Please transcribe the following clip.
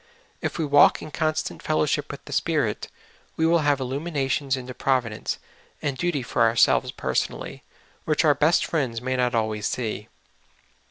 If we walk in constant fellowship with the Spirit, we will have illuminations into providence and duty for ourselves personally, which our best friends may not always see.